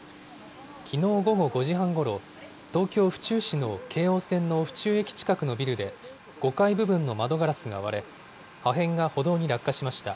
きのう午後５時半ごろ、東京・府中市の京王線の府中駅近くのビルで、５階部分の窓ガラスが割れ、破片が歩道に落下しました。